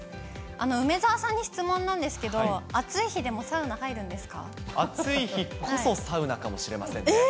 梅澤さんに質問なんですけど、暑い日こそサウナかもしれまえー？